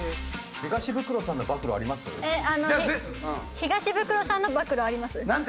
東ブクロさんの暴露あります？なんて？